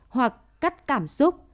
hoặc cắt cảm xúc